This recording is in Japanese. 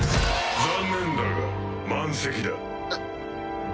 残念だが満席だ。